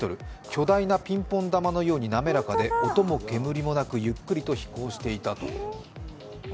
巨大なピンポン玉のように滑らかで音も煙もなくゆっくりと飛行していたと。